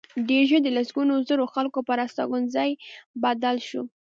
ډېر ژر د لسګونو زرو خلکو پر استوګنځي بدل شو